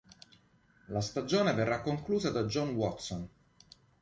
La stagione verrà conclusa da John Watson.